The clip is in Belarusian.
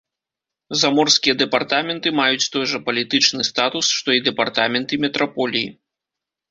Заморскія дэпартаменты маюць той жа палітычны статус, што і дэпартаменты метраполіі.